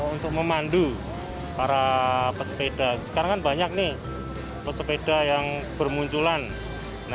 untuk memandu para pesepeda sekarang banyak pesepeda yang bermunculan